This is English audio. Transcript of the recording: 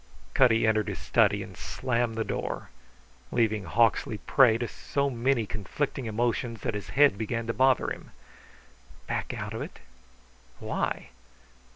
Cutty entered his study and slammed the door, leaving Hawksley prey to so many conflicting emotions that his head began to bother him. Back out of it! Why?